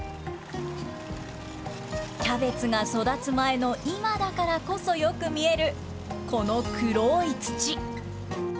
キャベツが育つ前の今だからこそよく見える、この黒い土。